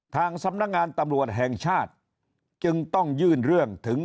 ทางสำนักงานตำรวจแห่งชาติจึงต้องยื่นเรื่องถึง